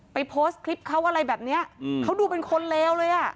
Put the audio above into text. โพสต์คลิปเขาอะไรแบบเนี้ยอืมเขาดูเป็นคนเลวเลยอ่ะ